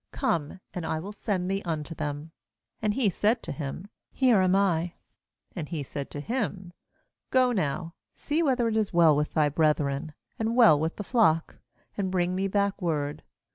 come, and I will send thee unto them/ And he said to him: ' Here am I.' 14Andhesaidtohim: 'Go now, see whether it is well with thy brethren, and well with the flock; and bring me back word.